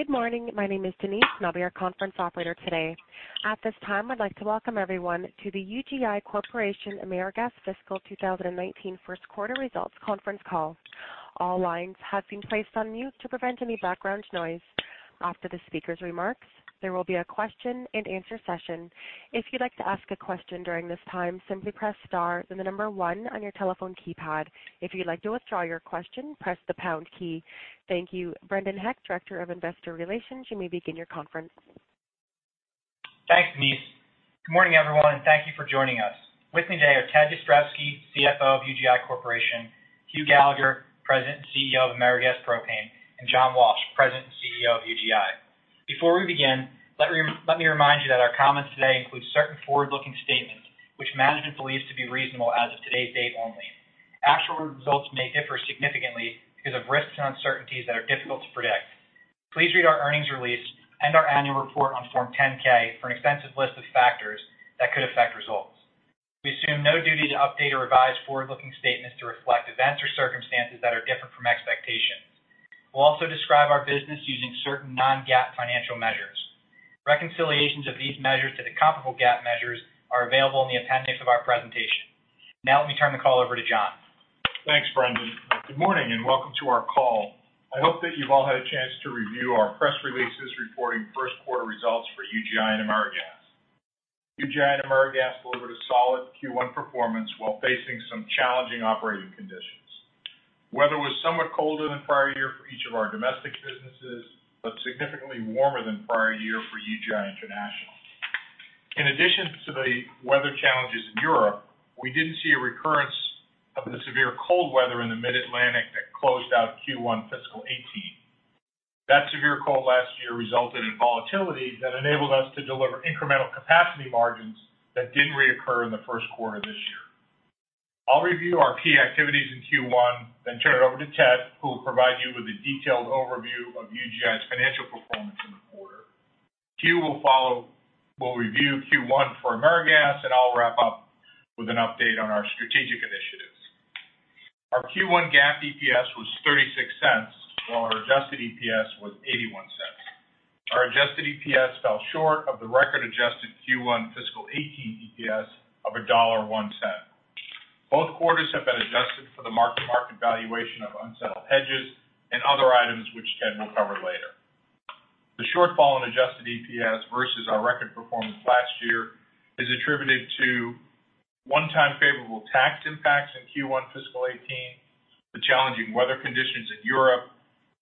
Good morning. My name is Denise, and I'll be your conference operator today. At this time, I'd like to welcome everyone to the UGI Corporation AmeriGas Fiscal 2019 First Quarter Results Conference Call. All lines have been placed on mute to prevent any background noise. After the speaker's remarks, there will be a question and answer session. If you'd like to ask a question during this time, simply press star, then the number one on your telephone keypad. If you'd like to withdraw your question, press the pound key. Thank you. Brendan Heck, Director of Investor Relations, you may begin your conference. Thanks, Denise. Good morning, everyone. Thank you for joining us. With me today are Ted Jastrzebski, CFO of UGI Corporation, Hugh Gallagher, President and CEO of AmeriGas Propane, and John Walsh, President and CEO of UGI. Before we begin, let me remind you that our comments today include certain forward-looking statements which management believes to be reasonable as of today's date only. Actual results may differ significantly because of risks and uncertainties that are difficult to predict. Please read our earnings release and our annual report on Form 10-K for an extensive list of factors that could affect results. We assume no duty to update or revise forward-looking statements to reflect events or circumstances that are different from expectations. We'll also describe our business using certain non-GAAP financial measures. Reconciliations of these measures to the comparable GAAP measures are available in the appendix of our presentation. Let me turn the call over to John. Thanks, Brendan. Good morning. Welcome to our call. I hope that you've all had a chance to review our press releases reporting first quarter results for UGI and AmeriGas. UGI and AmeriGas delivered a solid Q1 performance while facing some challenging operating conditions. Weather was somewhat colder than prior year for each of our domestic businesses. Significantly warmer than prior year for UGI International. In addition to the weather challenges in Europe, we didn't see a recurrence of the severe cold weather in the mid-Atlantic that closed out Q1 fiscal 2018. That severe cold last year resulted in volatility that enabled us to deliver incremental capacity margins that didn't reoccur in the first quarter this year. I'll review our key activities in Q1. Turn it over to Ted, who will provide you with a detailed overview of UGI's financial performance in the quarter. Hugh will follow, will review Q1 for AmeriGas, and I'll wrap up with an update on our strategic initiatives. Our Q1 GAAP EPS was $0.36, while our adjusted EPS was $0.81. Our adjusted EPS fell short of the record-adjusted Q1 fiscal 2018 EPS of $1.01. Both quarters have been adjusted for the mark-to-market valuation of unsettled hedges and other items which Ted will cover later. The shortfall in adjusted EPS versus our record performance last year is attributed to one-time favorable tax impacts in Q1 fiscal 2018, the challenging weather conditions in Europe,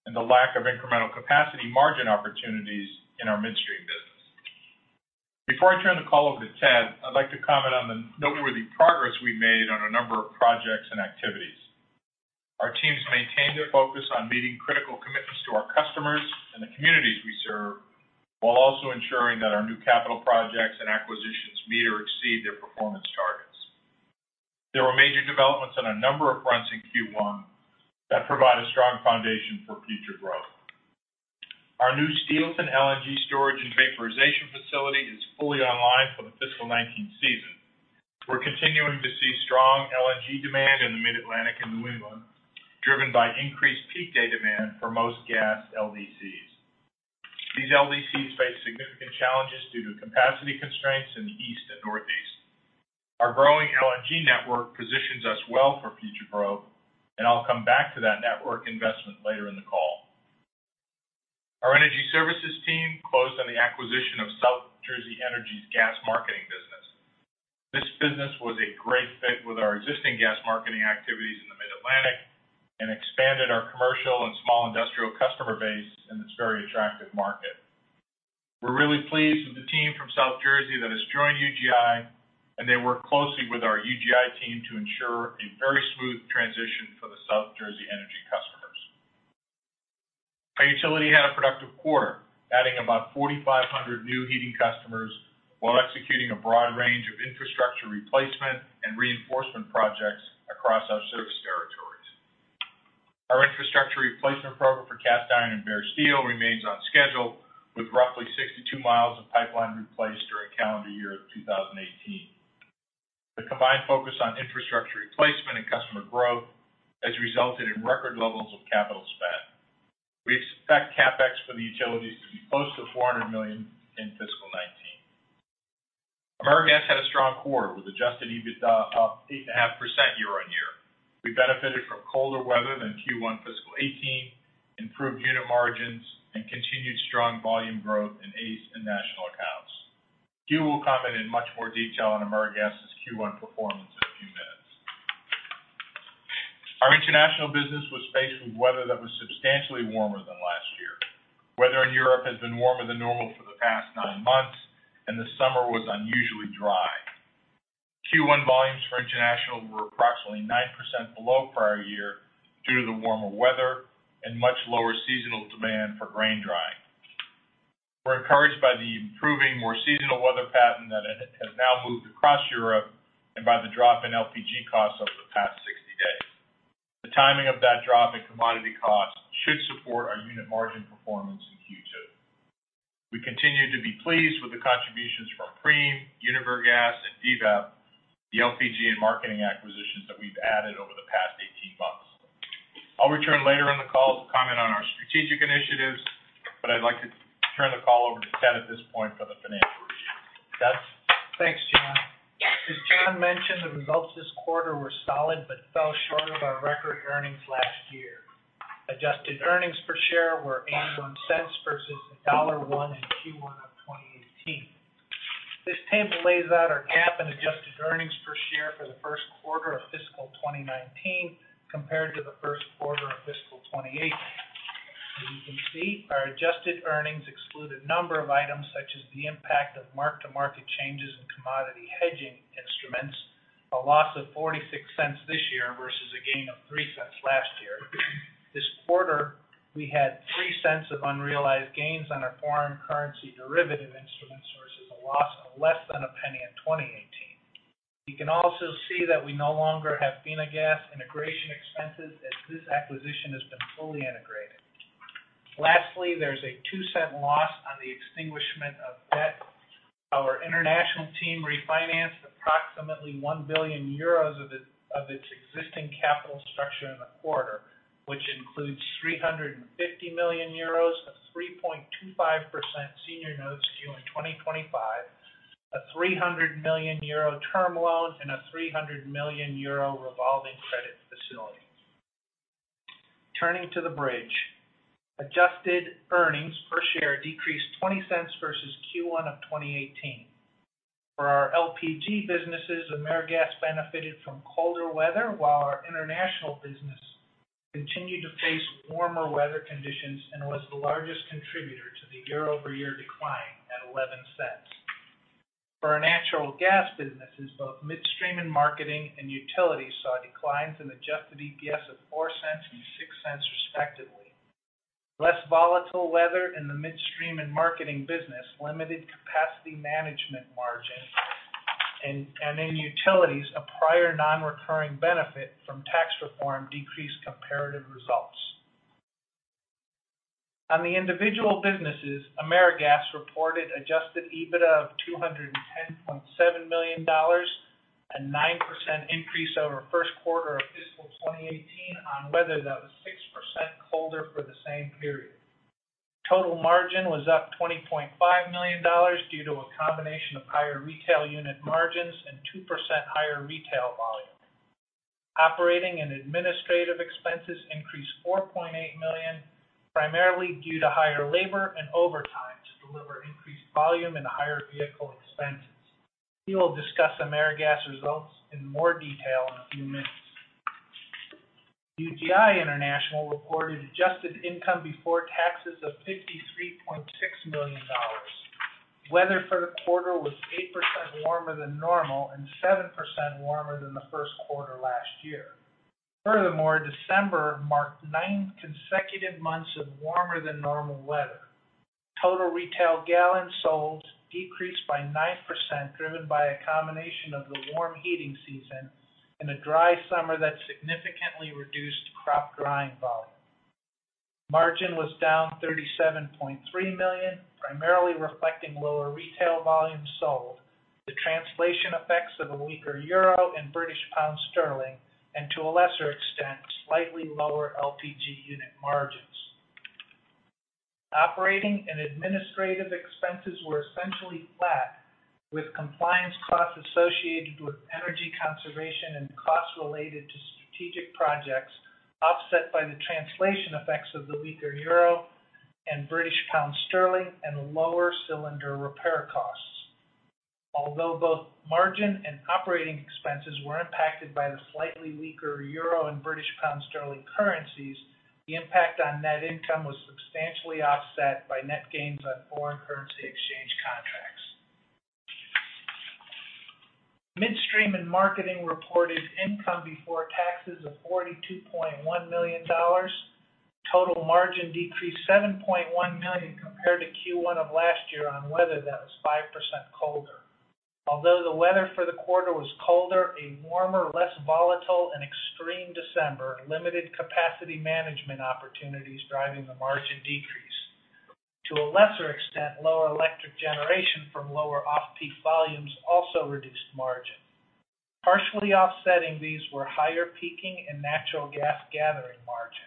and the lack of incremental capacity margin opportunities in our midstream business. Before I turn the call over to Ted, I'd like to comment on the noteworthy progress we've made on a number of projects and activities. Our teams maintained their focus on meeting critical commitments to our customers and the communities we serve, while also ensuring that our new capital projects and acquisitions meet or exceed their performance targets. There were major developments on a number of fronts in Q1 that provide a strong foundation for future growth. Our new Steelton LNG storage and vaporization facility is fully online for the fiscal 2019 season. We're continuing to see strong LNG demand in the mid-Atlantic and New England, driven by increased peak day demand for most gas LDCs. These LDCs face significant challenges due to capacity constraints in the East and Northeast. Our growing LNG network positions us well for future growth, and I'll come back to that network investment later in the call. Our energy services team closed on the acquisition of South Jersey Energy's gas marketing business. This business was a great fit with our existing gas marketing activities in the mid-Atlantic and expanded our commercial and small industrial customer base in this very attractive market. We're really pleased with the team from South Jersey that has joined UGI, and they work closely with our UGI team to ensure a very smooth transition for the South Jersey Energy customers. Our utility had a productive quarter, adding about 4,500 new heating customers while executing a broad range of infrastructure replacement and reinforcement projects across our service territories. Our infrastructure replacement program for cast iron and bare steel remains on schedule with roughly 62 mi of pipeline replaced during calendar year 2018. The combined focus on infrastructure replacement and customer growth has resulted in record levels of capital spend. We expect CapEx for the utilities to be close to $400 million in fiscal 2019. AmeriGas had a strong quarter with adjusted EBITDA up 8.5% year-on-year. We benefited from colder weather than Q1 fiscal 2018, improved unit margins, and continued strong volume growth in ACE and National Accounts. Hugh will comment in much more detail on AmeriGas's Q1 performance in a few minutes. Our international business was faced with weather that was substantially warmer than last year. Weather in Europe has been warmer than normal for the past nine months, and the summer was unusually dry. Q1 volumes for international were approximately 9% below prior year due to the warmer weather and much lower seasonal demand for grain drying. We're encouraged by the improving, more seasonal weather pattern that has now moved across Europe and by the drop in LPG costs over the past 60 days. The timing of that drop in commodity costs should support our unit margin performance in Q2. We continue to be pleased with the contributions from PREEM, UniverGas, and VEBA, the LPG and marketing acquisitions that we've added over the past 18 months. I'll return later in the call to comment on our strategic initiatives, I'd like to turn the call over to Ted at this point for the financial review. Ted? Thanks, John. As John mentioned, the results this quarter were solid but fell short of our record earnings last year. Adjusted earnings per share were $0.81 versus $1.01 in Q1 of 2018. This table lays out our GAAP and adjusted earnings per share for the first quarter of fiscal 2019 compared to the first quarter of fiscal 2018. As you can see, our adjusted earnings exclude a number of items such as the impact of mark-to-market changes in commodity hedging instruments, a loss of $0.46 this year versus a gain of $0.03 last year. This quarter, we had $0.03 of unrealized gains on our foreign currency derivative instruments versus a loss of less than $0.01 in 2018. You can also see that we no longer have UniverGas integration expenses, as this acquisition has been fully integrated. Lastly, there's a $0.02 loss on the extinguishment of debt. Our international team refinanced approximately 1 billion euros of its existing capital structure in the quarter, which includes 350 million euros of 3.25% senior notes due in 2025, a 300 million euro term loan, and a 300 million euro revolving credit facility. Turning to the bridge. Adjusted earnings per share decreased $0.20 versus Q1 of 2018. For our LPG businesses, AmeriGas benefited from colder weather, while our international business continued to face warmer weather conditions and was the largest contributor to the year-over-year decline at $0.11. For our natural gas businesses, both Midstream & Marketing and utilities saw declines in adjusted EPS of $0.04 and $0.06 respectively. Less volatile weather in the Midstream & Marketing business limited capacity management margin, and in utilities, a prior non-recurring benefit from tax reform decreased comparative results. On the individual businesses, AmeriGas reported adjusted EBITDA of $210.7 million, a 9% increase over first quarter of fiscal 2018 on weather that was 6% colder for the same period. Total margin was up $20.5 million due to a combination of higher retail unit margins and 2% higher retail volume. Operating and administrative expenses increased $4.8 million, primarily due to higher labor and overtime to deliver increased volume and higher vehicle expenses. We will discuss AmeriGas results in more detail in a few minutes. UGI International reported adjusted income before taxes of $53.6 million. Weather for the quarter was 8% warmer than normal and 7% warmer than the first quarter last year. Furthermore, December marked nine consecutive months of warmer-than-normal weather. Total retail gallons sold decreased by 9%, driven by a combination of the warm heating season and a dry summer that significantly reduced crop drying volume. Margin was down $37.3 million, primarily reflecting lower retail volumes sold, the translation effects of a weaker euro and British pound sterling, and to a lesser extent, slightly lower LPG unit margins. Operating and administrative expenses were essentially flat, with compliance costs associated with energy conservation and costs related to strategic projects offset by the translation effects of the weaker euro and British pound sterling and lower cylinder repair costs. Although both margin and operating expenses were impacted by the slightly weaker euro and British pound sterling currencies, the impact on net income was substantially offset by net gains on foreign currency exchange contracts. Midstream & Marketing reported income before taxes of $42.1 million. Total margin decreased $7.1 million compared to Q1 of last year on weather that was 5% colder. The weather for the quarter was colder, a warmer, less volatile, and extreme December limited capacity management opportunities driving the margin decrease. To a lesser extent, lower electric generation from lower off-peak volumes also reduced margin. Partially offsetting these were higher peaking and natural gas gathering margin.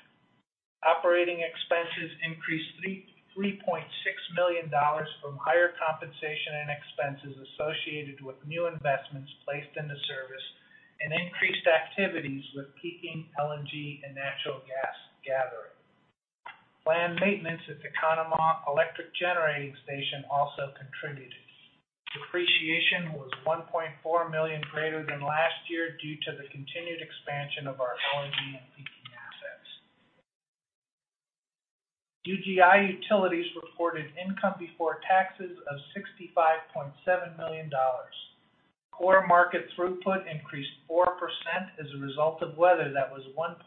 Operating expenses increased $33.6 million from higher compensation and expenses associated with new investments placed into service and increased activities with peaking LNG and natural gas gathering. Planned maintenance at the Conemaugh Electric Generating Station also contributed. Depreciation was $1.4 million greater than last year due to the continued expansion of our LNG and peaking assets. UGI Utilities reported income before taxes of $65.7 million. Core market throughput increased 4% as a result of weather that was 1.5%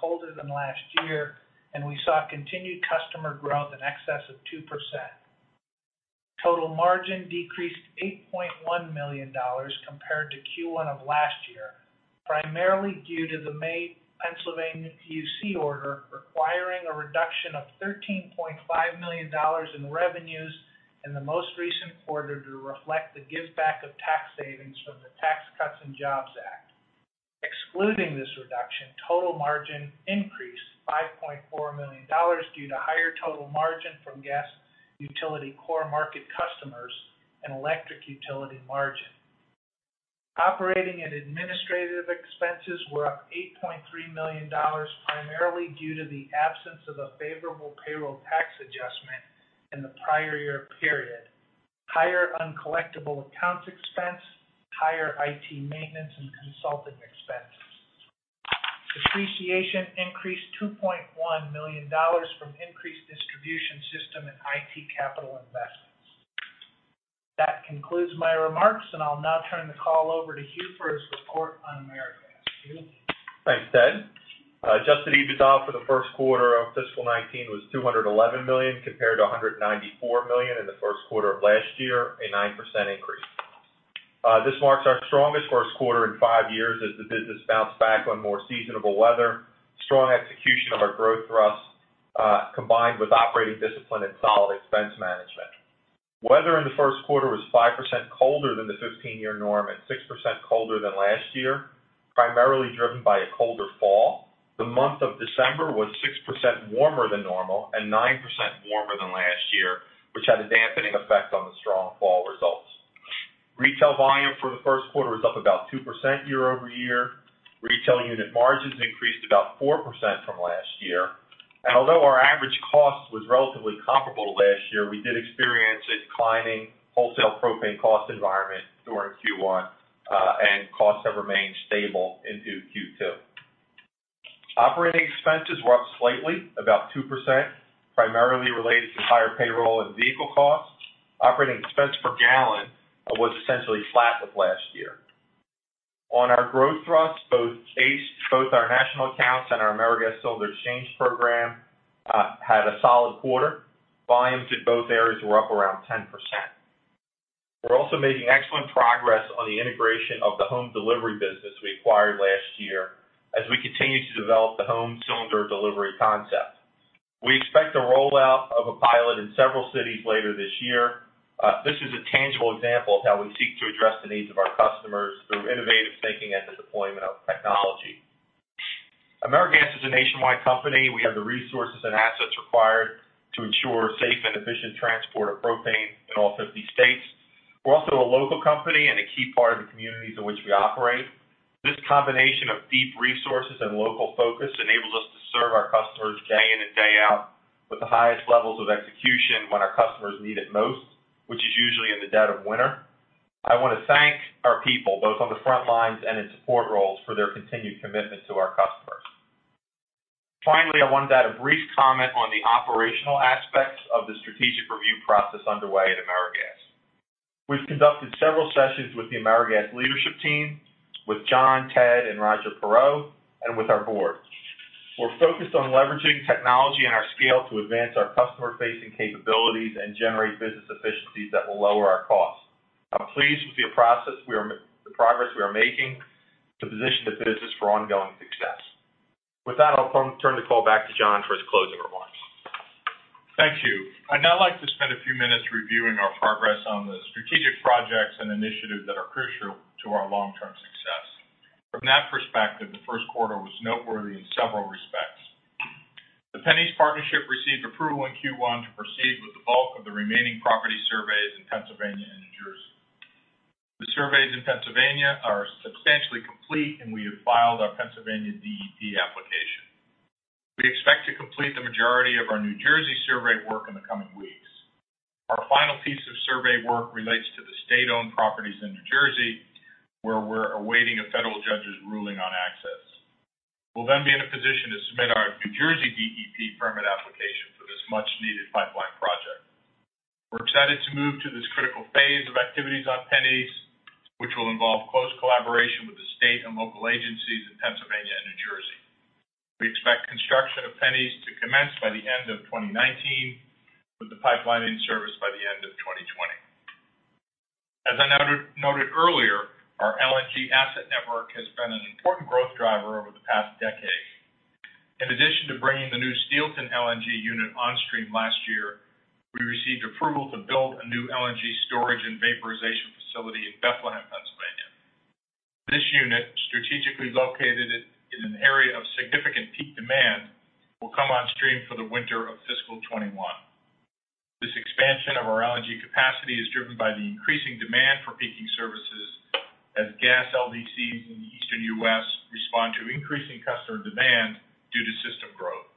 colder than last year, and we saw continued customer growth in excess of 2%. Total margin decreased $8.1 million compared to Q1 of last year, primarily due to the May Pennsylvania PUC order requiring a reduction of $13.5 million in revenues in the most recent quarter to reflect the give back of tax savings from the Tax Cuts and Jobs Act. Excluding this reduction, total margin increased $5.4 million due to higher total margin from gas utility core market customers and electric utility margin. Operating and administrative expenses were up $8.3 million, primarily due to the absence of a favorable payroll tax adjustment in the prior year period. Higher uncollectible accounts expense, higher IT maintenance, and consulting expenses. Depreciation increased $2.1 million from increased distribution system and IT capital investments. That concludes my remarks, I'll now turn the call over to Hugh for his report on AmeriGas. Hugh? Thanks, Ted. Adjusted EBITDA for the first quarter of fiscal 2019 was $211 million, compared to $194 million in the first quarter of last year, a 9% increase. This marks our strongest first quarter in five years as the business bounced back on more seasonable weather, strong execution of our growth thrust, combined with operating discipline and solid expense management. Weather in the first quarter was 5% colder than the 15-year norm and 6% colder than last year, primarily driven by a colder fall. The month of December was 6% warmer than normal and 9% warmer than last year, which had a dampening effect on the strong fall results. Retail volume for the first quarter was up about 2% year-over-year. Retail unit margins increased about 4% from last year. Although our average cost was relatively comparable to last year, we did experience a declining wholesale propane cost environment during Q1, and costs have remained stable into Q2. Operating expenses were up slightly, about 2%, primarily related to higher payroll and vehicle costs. Operating expense per gallon was essentially flat with last year. On our growth thrust, both our National Accounts and our AmeriGas Cylinder Exchange program had a solid quarter. Volumes in both areas were up around 10%. We're also making excellent progress on the integration of the home delivery business we acquired last year as we continue to develop the home cylinder delivery concept. We expect a rollout of a pilot in several cities later this year. This is a tangible example of how we seek to address the needs of our customers through innovative thinking and the deployment of technology. AmeriGas is a nationwide company. We have the resources and assets required to ensure safe and efficient transport of propane in all 50 states. We're also a local company and a key part of the communities in which we operate. This combination of deep resources and local focus enables us to serve our customers day in and day out with the highest levels of execution when our customers need it most, which is usually in the dead of winter. I want to thank our people, both on the front lines and in support roles, for their continued commitment to our customers. Finally, I wanted to add a brief comment on the operational aspects of the strategic review process underway at AmeriGas. We've conducted several sessions with the AmeriGas leadership team, with John, Ted, and Roger Perreault, and with our board. We're focused on leveraging technology and our scale to advance our customer-facing capabilities and generate business efficiencies that will lower our costs. I'm pleased with the progress we are making to position the business for ongoing success. With that, I'll turn the call back to John for his closing remarks. Thank you. I'd now like to spend a few minutes reviewing our progress on the strategic projects and initiatives that are crucial to our long-term success. From that perspective, the first quarter was noteworthy in several respects. The PennEast Partnership received approval in Q1 to proceed with the bulk of the remaining property surveys in Pennsylvania and New Jersey. The surveys in Pennsylvania are substantially complete, and we have filed our Pennsylvania DEP application. We expect to complete the majority of our New Jersey survey work in the coming weeks. Our final piece of survey work relates to the state-owned properties in New Jersey, where we're awaiting a federal judge's ruling on access. We'll then be in a position to submit our New Jersey DEP permit application for this much-needed pipeline project. We're excited to move to this critical phase of activities on PennEast, which will involve close collaboration with the state and local agencies in Pennsylvania and New Jersey. We expect construction of PennEast to commence by the end of 2019, with the pipeline in service by the end of 2020. As I noted earlier, our LNG asset network has been an important growth driver over the past decade. In addition to bringing the new Steelton LNG unit on stream last year, we received approval to build a new LNG storage and vaporization facility in Bethlehem, Pennsylvania. This unit, strategically located in an area of significant peak demand, will come on stream for the winter of fiscal 2021. This expansion of our LNG capacity is driven by the increasing demand for peaking services as gas LDCs in the Eastern U.S. respond to increasing customer demand due to system growth.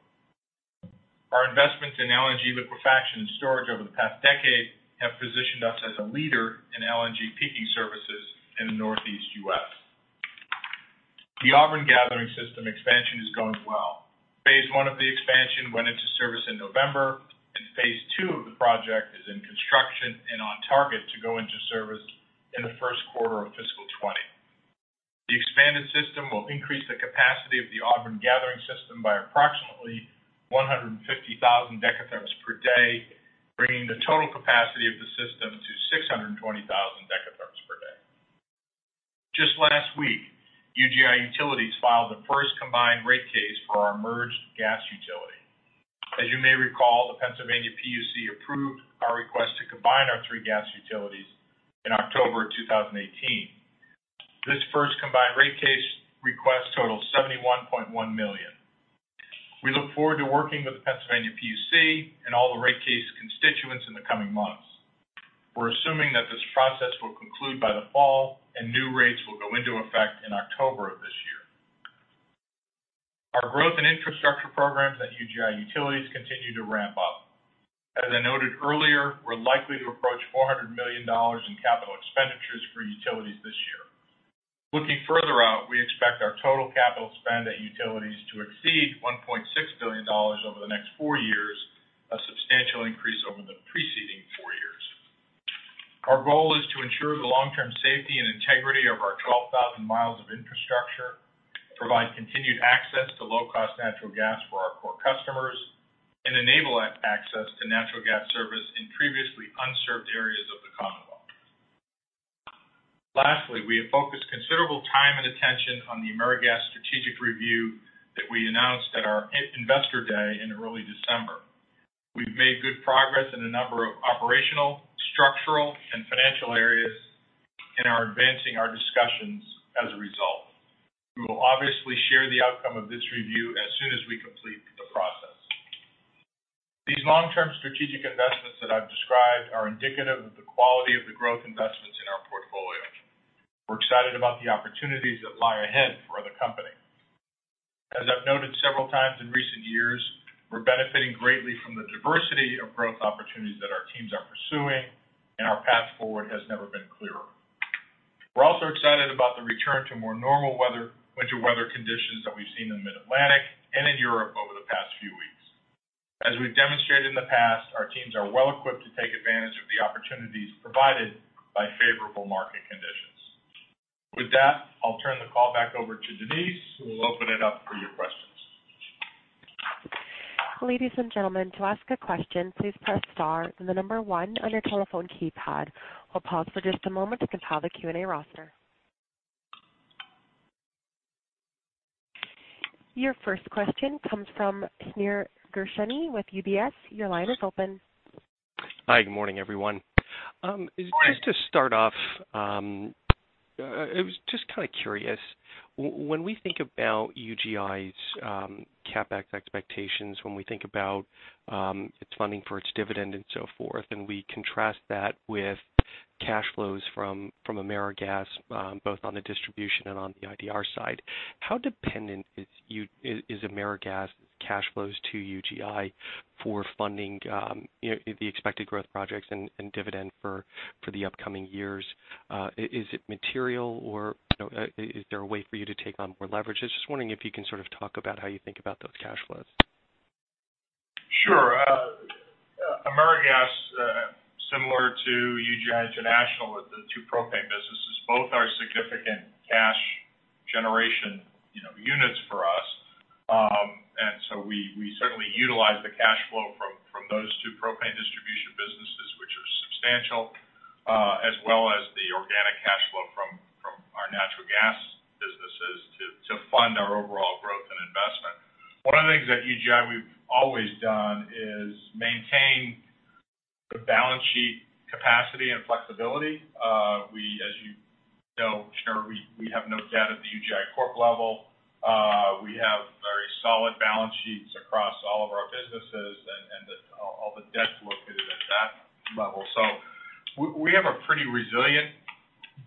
Our investments in LNG liquefaction and storage over the past decade have positioned us as a leader in LNG peaking services in the Northeast U.S. The Auburn Gathering System expansion is going well. Phase one of the expansion went into service in November, and phase two of the project is in construction and on target to go into service in the first quarter of fiscal 2020. The expanded system will increase the capacity of the Auburn Gathering System by approximately 150,000 dekatherms per day, bringing the total capacity of the system to 620,000 dekatherms per day. Just last week, UGI Utilities filed the first combined rate case for our merged gas utility. As you may recall, the Pennsylvania PUC approved our request to combine our three gas utilities in October 2018. This first combined rate case request totals $71.1 million. We look forward to working with the Pennsylvania PUC and all the rate case constituents in the coming months. We're assuming that this process will conclude by the fall, and new rates will go into effect in October of this year. Our growth and infrastructure programs at UGI Utilities continue to ramp up. As I noted earlier, we're likely to approach $400 million in capital expenditures for utilities this year. Looking further out, we expect our total capital spend at utilities to exceed $1.6 billion over the next four years, a substantial increase over the preceding four years. Our goal is to ensure the long-term safety and integrity of our 12,000 mi of infrastructure, provide continued access to low-cost natural gas for our core customers, and enable access to natural gas service in previously unserved areas of the Commonwealth. Lastly, we have focused considerable time and attention on the AmeriGas strategic review that we announced at our investor day in early December. We've made good progress in a number of operational, structural, and financial areas, and are advancing our discussions as a result. We will obviously share the outcome of this review as soon as we complete the process. These long-term strategic investments that I've described are indicative of the quality of the growth investments in our portfolio. We're excited about the opportunities that lie ahead for the company. As I've noted several times in recent years, we're benefiting greatly from the diversity of growth opportunities that our teams are pursuing, and our path forward has never been clearer. We're also excited about the return to more normal winter weather conditions that we've seen in the Mid-Atlantic and in Europe over the past few weeks. As we've demonstrated in the past, our teams are well-equipped to take advantage of the opportunities provided by favorable market conditions. With that, I'll turn the call back over to Denise, who will open it up for your questions. Ladies and gentlemen, to ask a question, please press star, then the number one on your telephone keypad. We'll pause for just a moment to compile the Q&A roster. Your first question comes from Shneur Gershuni with UBS. Your line is open. Hi, good morning, everyone. Good morning. Just to start off, I was just kind of curious. When we think about UGI's CapEx expectations, when we think about its funding for its dividend and so forth, and we contrast that with cash flows from AmeriGas, both on the distribution and on the IDR side, how dependent is AmeriGas' cash flows to UGI for funding the expected growth projects and dividend for the upcoming years? Is it material or is there a way for you to take on more leverage? Just wondering if you can sort of talk about how you think about those cash flows. Sure. AmeriGas, similar to UGI International with the two propane businesses, both are significant cash generation units for us. We certainly utilize the cash flow from those two propane distribution businesses, which are substantial, as well as the organic cash flow from our natural gas businesses to fund our overall growth and investment. One of the things at UGI we've always done is maintain the balance sheet capacity and flexibility. As you know, Shneur, we have no debt at the UGI Corp level. We have very solid balance sheets across all of our businesses and all the debt located at that level. We have a pretty resilient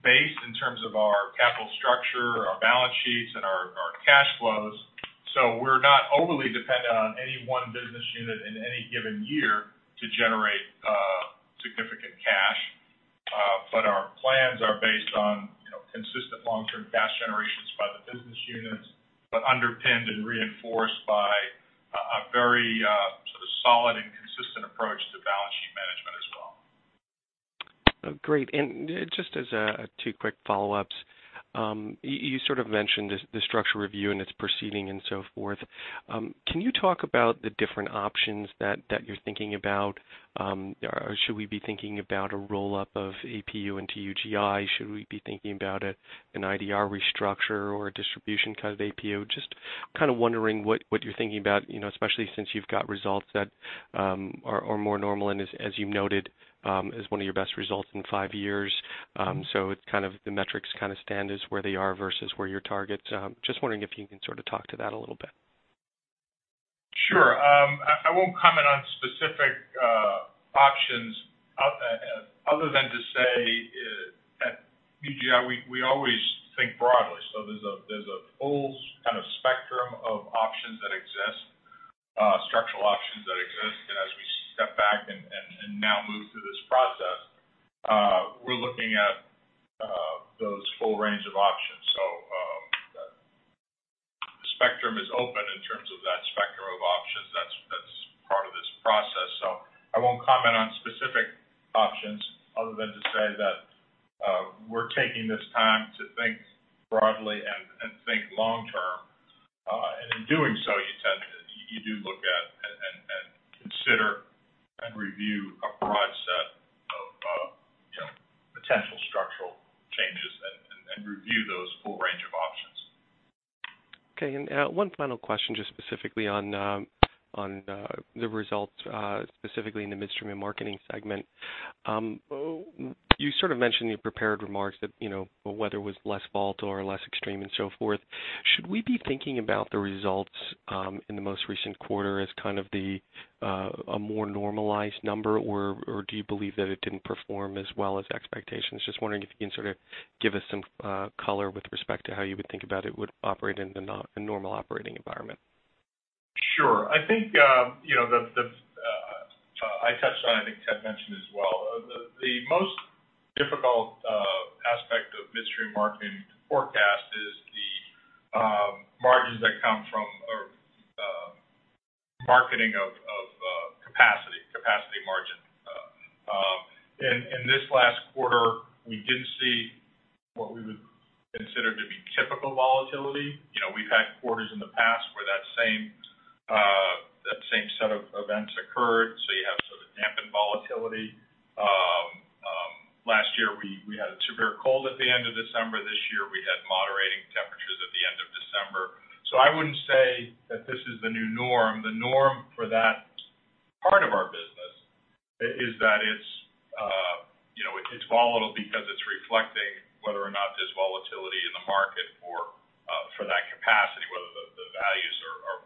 base in terms of our capital structure, our balance sheets, and our cash flows. We're not overly dependent on any one business unit in any given year to generate significant cash. Our plans are based on consistent long-term cash generations by the business units, but underpinned and reinforced by a very sort of solid and consistent approach to balance sheet management as well. Great. Just as two quick follow-ups. You sort of mentioned the structure review and its proceeding and so forth. Can you talk about the different options that you're thinking about? Should we be thinking about a roll-up of APU into UGI? Should we be thinking about an IDR restructure or a distribution kind of APU? Just kind of wondering what you're thinking about, especially since you've got results that are more normal and as you noted, is one of your best results in five years. The metrics kind of stand as where they are versus where your targets. Just wondering if you can sort of talk to that a little bit. Sure. I won't comment on specific options other than to say at UGI, we always think broadly. There's a full kind of spectrum of options that exist, structural options that exist, and as we step back and now move through this process, we're looking at those full range of options. Other than to say that we're taking this time to think broadly and think long-term. In doing so, you do look at and consider and review a broad set of potential structural changes and review those full range of options. Okay. One final question, just specifically on the results, specifically in the Midstream & Marketing segment. You sort of mentioned in your prepared remarks that the weather was less volatile or less extreme and so forth. Should we be thinking about the results in the most recent quarter as kind of a more normalized number, or do you believe that it didn't perform as well as expectations? Just wondering if you can sort of give us some color with respect to how you would think about it would operate in a normal operating environment. Sure. I think, I touched on it, I think Ted mentioned as well. The most difficult aspect of midstream marketing to forecast is the margins that come from marketing of capacity margin. In this last quarter, we did see what we would consider to be typical volatility. We've had quarters in the past where that same set of events occurred, so you have sort of dampened volatility. Last year, we had it super cold at the end of December. This year, we had moderating temperatures at the end of December. I wouldn't say that this is the new norm. The norm for that part of our business is that it's volatile because it's reflecting whether or not there's volatility in the market for that capacity, whether the values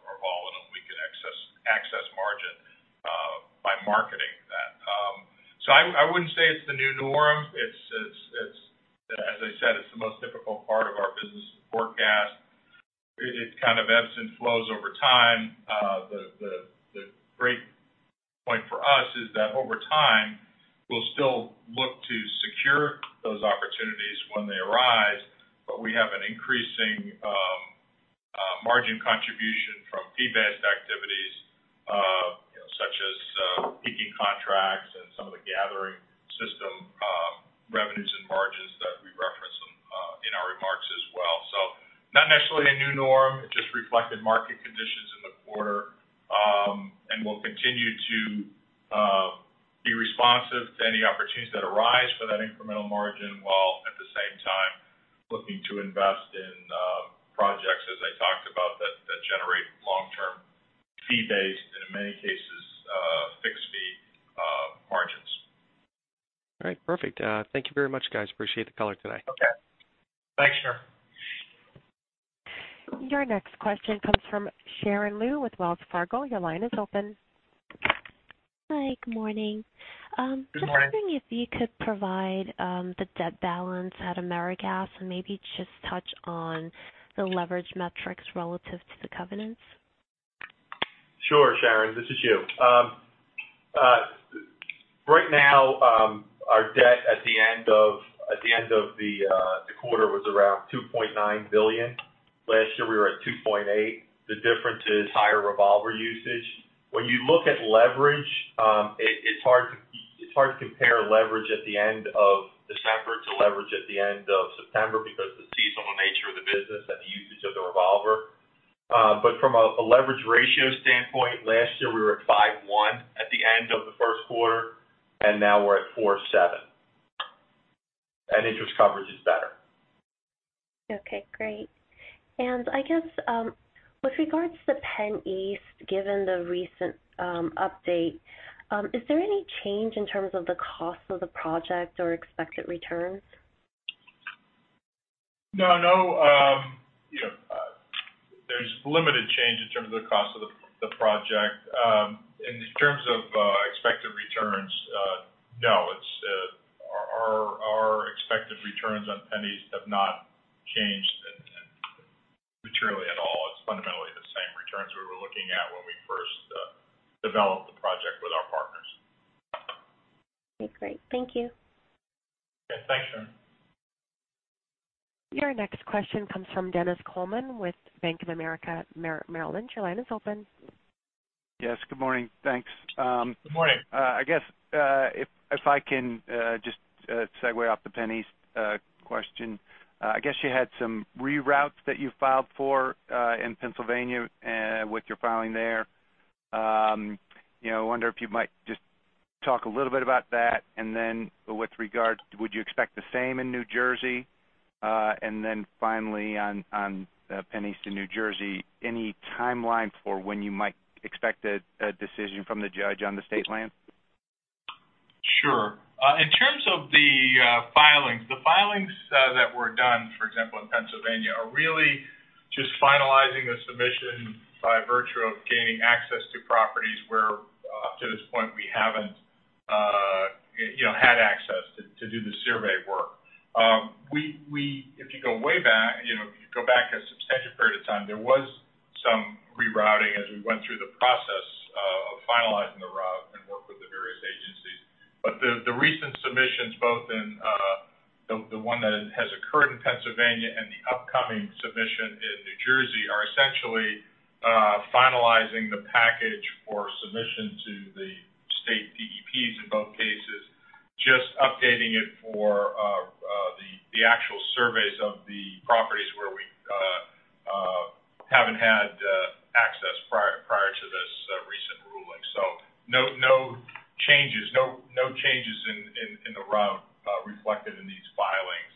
are volatile, and we can access margin by marketing that. I wouldn't say it's the new norm. As I said, it's the most difficult part of our business to forecast. It kind of ebbs and flows over time. The great point for us is that over time, we'll still look to secure those opportunities when they arise, but we have an increasing margin contribution from fee-based activities, such as peaking contracts and some of the gathering system revenues and margins that we referenced in our remarks as well. Not necessarily a new norm. It just reflected market conditions in the quarter. We'll continue to be responsive to any opportunities that arise for that incremental margin, while at the same time looking to invest in projects, as I talked about, that generate long-term fee-based, and in many cases, fixed fee margins. All right, perfect. Thank you very much, guys. Appreciate the color today. Okay. Thanks, sir. Your next question comes from Sharon Lui with Wells Fargo. Your line is open. Hi, good morning. Good morning. Just wondering if you could provide the debt balance at AmeriGas and maybe just touch on the leverage metrics relative to the covenants. Sure, Sharon, this is Hugh. Right now, our debt at the end of the quarter was around $2.9 billion. Last year, we were at $2.8 billion. The difference is higher revolver usage. When you look at leverage, it's hard to compare leverage at the end of December to leverage at the end of September because the seasonal nature of the business and the usage of the revolver. From a leverage ratio standpoint, last year we were at 5.1 at the end of the first quarter, and now we're at 4.7. Interest coverage is better. Okay, great. I guess, with regards to PennEast, given the recent update, is there any change in terms of the cost of the project or expected returns? No. There's limited change in terms of the cost of the project. In terms of expected returns, no. Our expected returns on PennEast have not changed materially at all. It's fundamentally the same returns we were looking at when we first developed the project with our partners. Okay, great. Thank you. Yeah, thanks, Sharon. Your next question comes from Dennis Coleman with Bank of America Merrill Lynch. Your line is open. Yes, good morning. Thanks. Good morning. I guess if I can just segue off the PennEast question. I guess you had some reroutes that you filed for in Pennsylvania with your filing there. I wonder if you might just talk a little bit about that, and then with regard, would you expect the same in New Jersey? Finally on PennEast in New Jersey, any timeline for when you might expect a decision from the judge on the state land? Sure. In terms of the filings, the filings that were done, for example, in Pennsylvania, are really just finalizing the submission by virtue of gaining access to properties where up to this point we haven't had access to do the survey work. If you go back a substantial period of time, there was some rerouting as we went through the process of finalizing the route and work with the various agencies. The recent submissions, both in the one that has occurred in Pennsylvania and the upcoming submission in New Jersey are essentially finalizing the package for submission to the state DEPs in both cases. Just updating it for the actual surveys of the properties where we haven't had access prior to this recent ruling. No changes in the route reflected in these filings.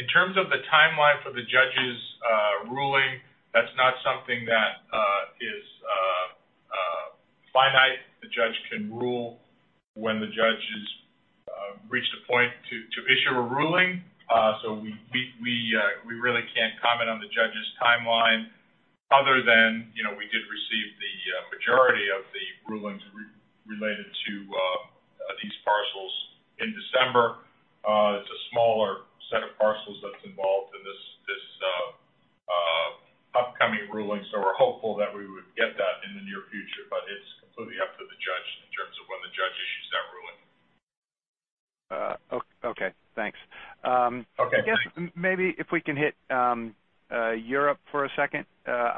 In terms of the timeline for the judge's ruling, that's not something that is finite. The judge can rule when the judge has reached a point to issue a ruling. We really can't comment on the judge's timeline other than we did receive the majority of the rulings related to these parcels in December. It's a smaller set of parcels that's involved in this upcoming ruling, we're hopeful that we would get that in the near future, but it's completely up to the judge in terms of when the judge issues that ruling. Okay, thanks. Okay. I guess maybe if we can hit Europe for a second. Sure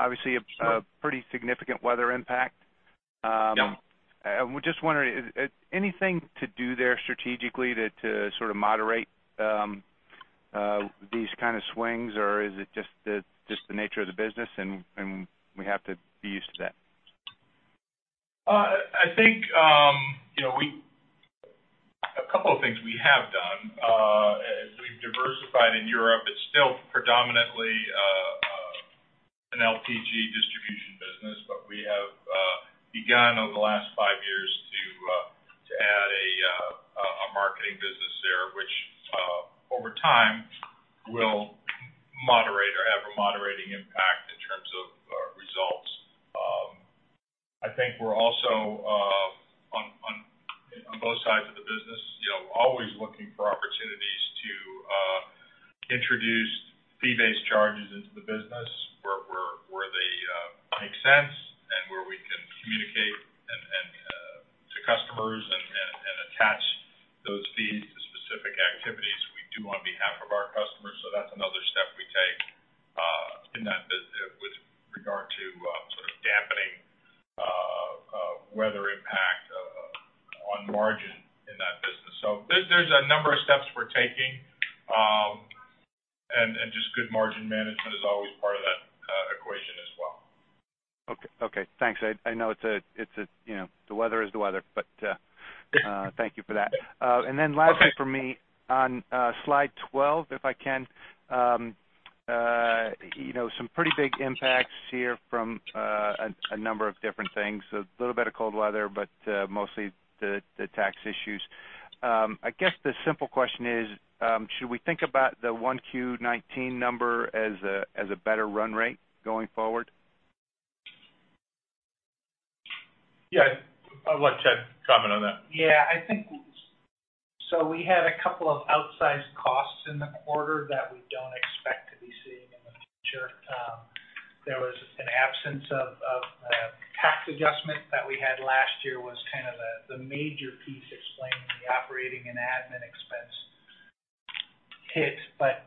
a pretty significant weather impact. Yeah. Just wondering, anything to do there strategically to sort of moderate these kind of swings? Or is it just the nature of the business, and we have to be used to that? I think a couple of things we have done. As we've diversified in Europe, it's still predominantly an LPG distribution business. We have begun over the last five years to add a marketing business there, which, over time, will moderate or have a moderating impact in terms of results. I think we're also on both sides of the business, always looking for opportunities to introduce fee-based charges into the business where they make sense and where we can communicate to customers and attach those fees to specific activities we do on behalf of our customers. That's another step we take with regard to sort of dampening weather impact on margin in that business. There's a number of steps we're taking, and just good margin management is always part of that equation as well. Okay, thanks. I know the weather is the weather, but thank you for that. Okay. Lastly from me, on slide 12, if I can, some pretty big impacts here from a number of different things. A little bit of cold weather, but mostly the tax issues. I guess the simple question is, should we think about the Q1 2019 number as a better run rate going forward? I'll let Ted comment on that. We had a couple of outsized costs in the quarter that we don't expect to be seeing in the future. There was an absence of tax adjustment that we had last year was kind of the major piece explaining the operating and admin expense hit.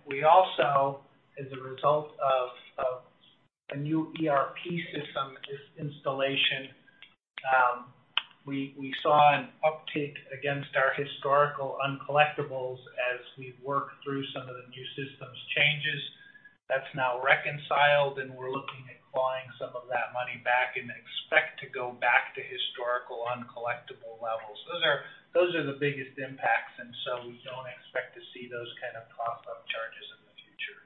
We also, as a result of a new ERP system installation, we saw an uptick against our historical uncollectibles as we worked through some of the new system's changes. That's now reconciled, and we're looking at clawing some of that money back and expect to go back to historical uncollectible levels. Those are the biggest impacts, we don't expect to see those kind of pop-up charges in the future.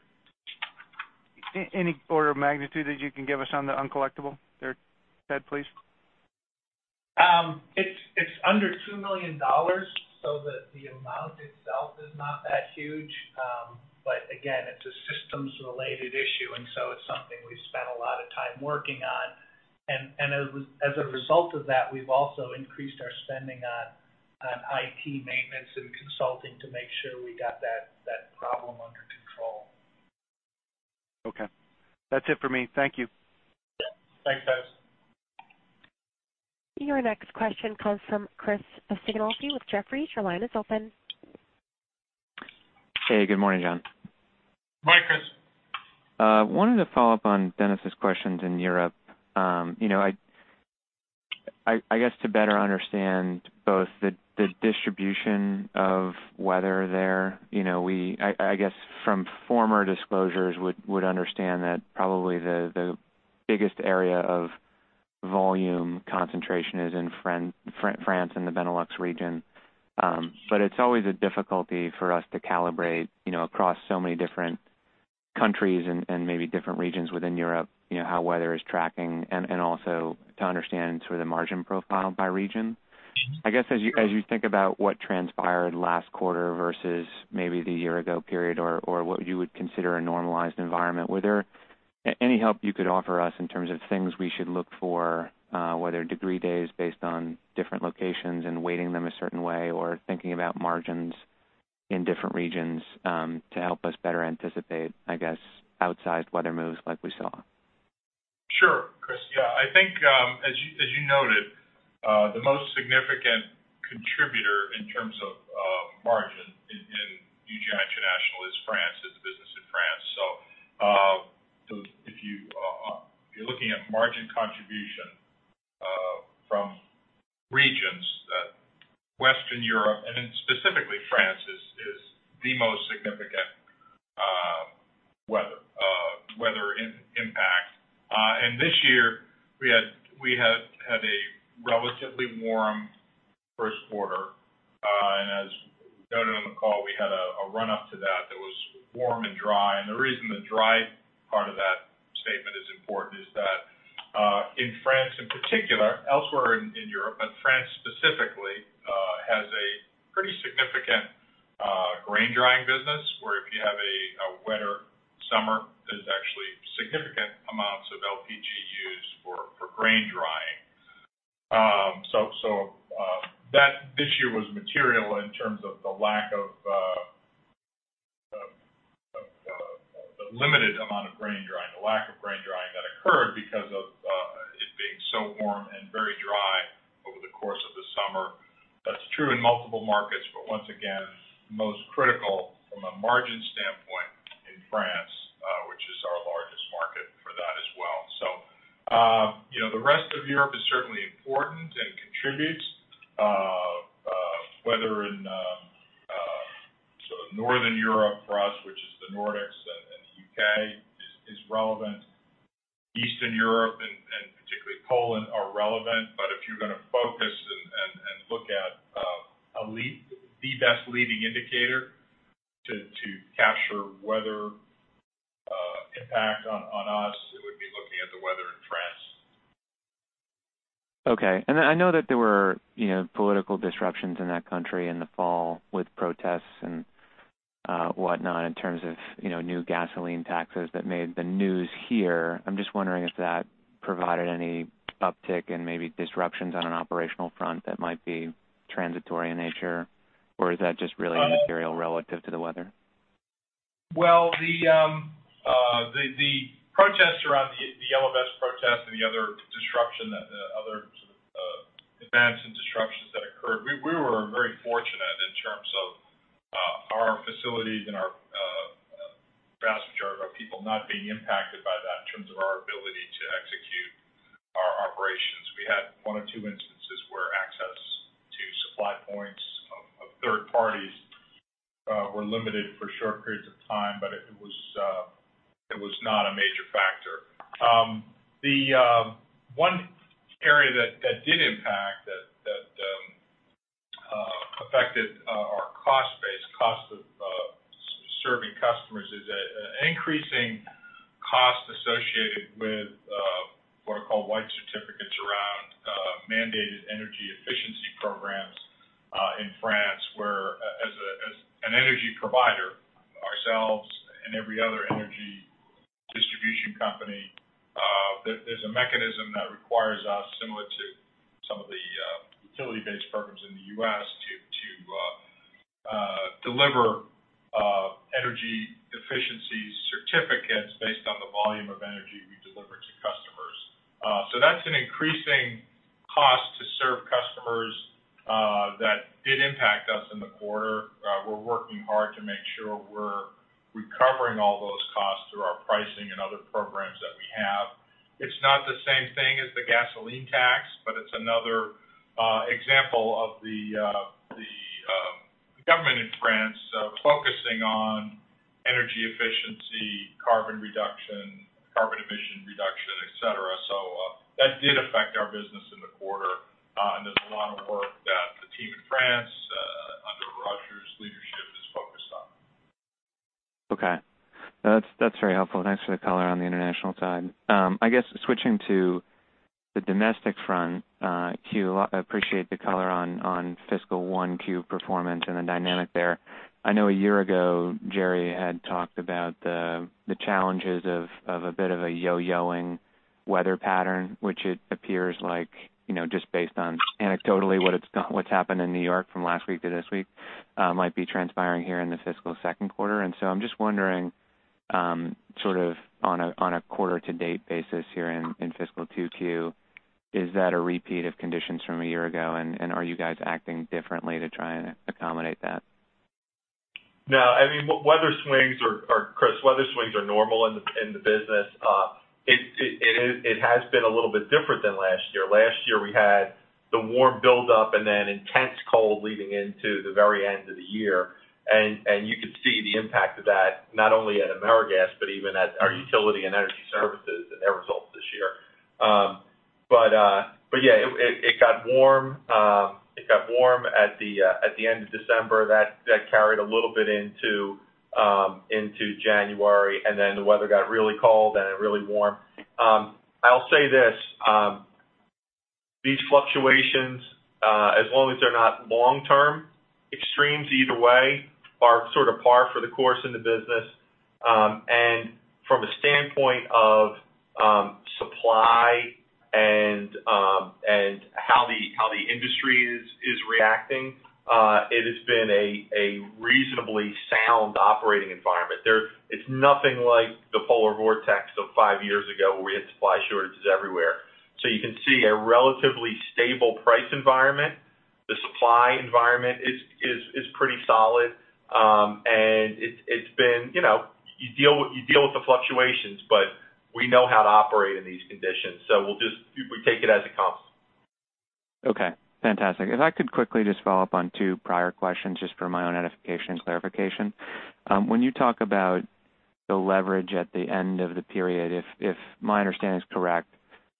Any order of magnitude that you can give us on the uncollectible there, Ted, please? It's under $2 million, the amount itself is not that huge. Again, it's a systems-related issue, it's something we've spent a lot of time working on. As a result of that, we've also increased our spending on IT maintenance and consulting to make sure we got that problem under control. Okay. That's it for me. Thank you. Yeah. Thanks, guys. Your next question comes from Chris Sighinolfi with Jefferies. Your line is open. Hey, good morning, John. Hi, Chris. Wanted to follow up on Dennis' questions in Europe. I guess to better understand both the distribution of weather there. I guess from former disclosures would understand that probably the biggest area of volume concentration is in France and the Benelux region. It's always a difficulty for us to calibrate across so many different countries and maybe different regions within Europe, how weather is tracking and also to understand sort of margin profile by region. I guess as you think about what transpired last quarter versus maybe the year-ago period or what you would consider a normalized environment, were there any help you could offer us in terms of things we should look for, whether degree days based on different locations and weighting them a certain way, or thinking about margins in different regions to help us better anticipate, I guess, outsized weather moves like we saw? Sure, Chris. Yeah, I think as you noted, the most significant contributor in terms of margin in UGI International is France, is the business in France. If you're looking at margin contribution from regions, Western Europe and specifically France is the most significant weather impact. This year we had a relatively warm first quarter. As noted on the call, we had a run-up to that was warm and dry. The reason the dry part of that statement is important is that in France in particular, elsewhere in Europe, but France specifically, has a pretty significant grain drying business, where if you have a wetter summer, there's actually significant amounts of LPG used for grain drying. That issue was material in terms of the limited amount of grain drying, the lack of grain drying that occurred because of it being so warm and very dry over the course of the summer. That's true in multiple markets, but once again, most critical from a margin standpoint in France, which is our largest market for that as well. The rest of Europe is certainly important and contributes, whether in Northern Europe for us, which is the Nordics, and the U.K. is relevant. Eastern Europe and particularly Poland are relevant. If you're going to focus and look at the best leading indicator to capture weather impact on us, it would be looking at the weather in France. Okay. I know that there were political disruptions in that country in the fall with protests and whatnot in terms of new gasoline taxes that made the news here. I'm just wondering if that provided any uptick in maybe disruptions on an operational front that might be transitory in nature, or is that just really immaterial relative to the weather? Well, the yellow vest protests and the other events and disruptions that occurred, we were very fortunate in terms of our facilities and a vast majority of our people not being impacted by that in terms of our ability to execute our operations. We had one or two instances where access to supply points of third parties were limited for short periods of time, but it was not a major factor. The one area that did impact, that affected our cost base, cost of serving customers is that increasing costs associated with what are called white certificates around mandated energy efficiency programs in France, where as an energy provider, ourselves and every other energy distribution company, there's a mechanism that requires us, similar to some of the utility-based programs in the U.S., to deliver energy efficiency certificates based on the volume of energy we deliver to customers. That's an increasing cost to serve customers that did impact us in the quarter. We're working hard to make sure we're recovering all those costs through our pricing and other programs that we have. It's not the same thing as the gasoline tax, but it's another example of the government in France focusing on energy efficiency, carbon reduction, carbon emission reduction, et cetera. That did affect our business in the quarter. There's a lot of work that the team in France under Roger's leadership is focused on. Okay. That's very helpful. Thanks for the color on the international side. I guess switching to the domestic front queue, I appreciate the color on fiscal 1Q performance and the dynamic there. I know a year ago, Jerry had talked about the challenges of a bit of a yo-yoing weather pattern, which it appears like, just based on anecdotally what's happened in N.Y. from last week to this week, might be transpiring here in the fiscal second quarter. I'm just wondering, sort of on a quarter to date basis here in fiscal 2Q, is that a repeat of conditions from a year ago? Are you guys acting differently to try and accommodate that? No, Chris, weather swings are normal in the business. It has been a little bit different than last year. Last year, we had the warm buildup then intense cold leading into the very end of the year. You could see the impact of that not only at AmeriGas, but even at our utility and energy services and their results this year. Yeah, it got warm at the end of December. That carried a little bit into January, then the weather got really cold then really warm. I'll say this. These fluctuations, as long as they're not long-term extremes either way, are sort of par for the course in the business. From a standpoint of supply and The industry is reacting. It has been a reasonably sound operating environment. It's nothing like the polar vortex of five years ago where we had supply shortages everywhere. You can see a relatively stable price environment. The supply environment is pretty solid. You deal with the fluctuations, but we know how to operate in these conditions, so we take it as it comes. Okay. Fantastic. If I could quickly just follow up on two prior questions, just for my own edification and clarification. When you talk about the leverage at the end of the period, if my understanding is correct,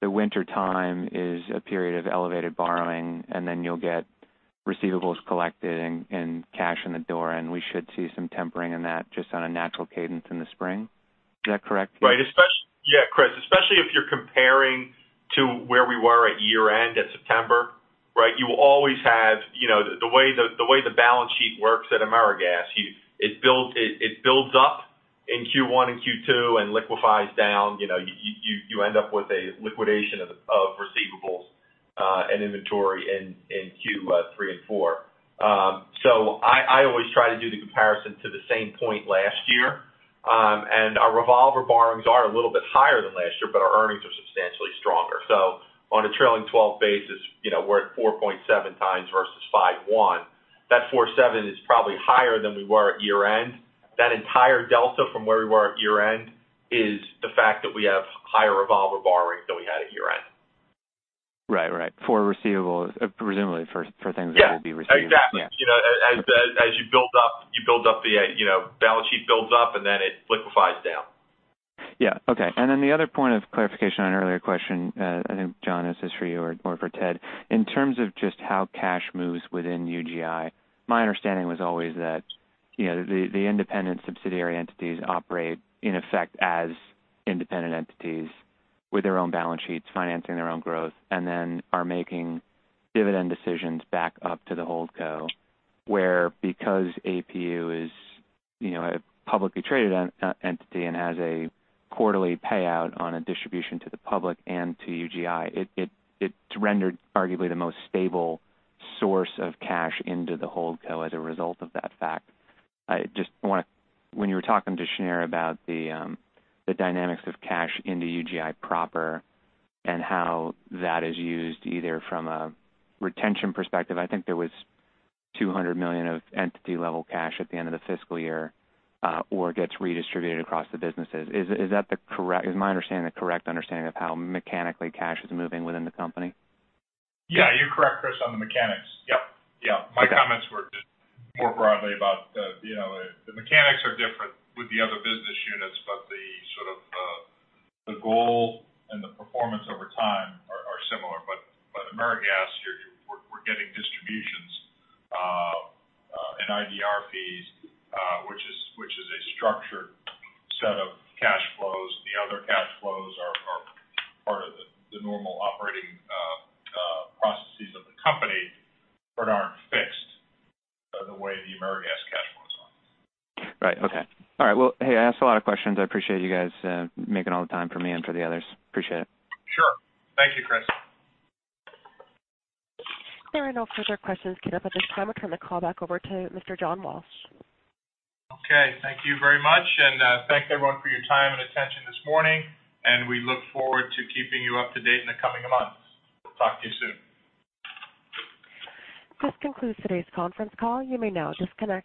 the wintertime is a period of elevated borrowing, and then you'll get receivables collected and cash in the door, and we should see some tempering in that just on a natural cadence in the spring. Is that correct? Right. Chris, especially if you're comparing to where we were at year-end, at September. The way the balance sheet works at AmeriGas, it builds up in Q1 and Q2 and liquefies down. You end up with a liquidation of receivables and inventory in Q3 and Q4. I always try to do the comparison to the same point last year. Our revolver borrowings are a little bit higher than last year, but our earnings are substantially stronger. On a trailing 12 basis, we're at 4.7x versus 5.1x. That 4.7x is probably higher than we were at year-end. That entire delta from where we were at year-end is the fact that we have higher revolver borrowing than we had at year-end. Right. For receivables, presumably for things that will be receivables. Exactly. As you build up, the balance sheet builds up, it liquefies down. The other point of clarification on an earlier question, I think, John, is this for you or for Ted. In terms of just how cash moves within UGI, my understanding was always that the independent subsidiary entities operate in effect as independent entities with their own balance sheets, financing their own growth, are making dividend decisions back up to the holdco, where because APU is a publicly traded entity and has a quarterly payout on a distribution to the public and to UGI, it's rendered arguably the most stable source of cash into the holdco as a result of that fact. When you were talking to Shneur about the dynamics of cash into UGI and how that is used, either from a retention perspective, I think there was $200 million of entity-level cash at the end of the fiscal year, or gets redistributed across the businesses. Is my understanding the correct understanding of how mechanically cash is moving within the company? Yeah. You're correct, Chris, on the mechanics. Yep. Yeah. Okay. My comments were just more broadly about the mechanics are different with the other business units, the sort of the goal and the performance over time are similar. AmeriGas, we're getting distributions in IDR fees, which is a structured set of cash flows. The other cash flows are part of the normal operating processes of the company, but aren't fixed the way the AmeriGas cash flows are. Right. Okay. All right. Well, hey, I asked a lot of questions. I appreciate you guys making all the time for me and for the others. Appreciate it. Sure. Thank you, Chris. There are no further questions queued up at this time. I turn the call back over to Mr. John Walsh. Okay. Thank you very much. Thanks, everyone, for your time and attention this morning, and we look forward to keeping you up to date in the coming months. We'll talk to you soon. This concludes today's conference call. You may now disconnect.